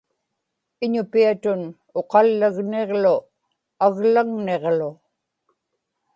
iñupiatun uqallagniġlu aglaŋniġlu